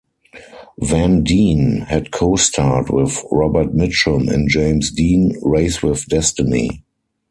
Van Dien had co-starred with Robert Mitchum in "James Dean: Race with Destiny".